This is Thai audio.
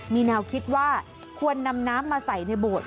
มีแนวคิดว่าควรนำน้ำมาใส่ในโบสถ์